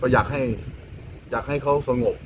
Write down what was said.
อยากให้เขาสงบ